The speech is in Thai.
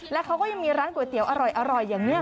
และเขาก็ยังมีร้านก๋วยเตี๋ยวอร่อยอย่างนี้